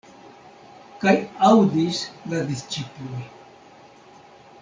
Kaj aŭdis la disĉiploj.